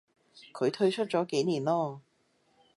佢退出咗幾年咯